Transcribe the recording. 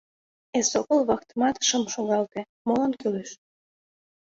Эсогыл вахтымат шым шогалте: молан кӱлеш?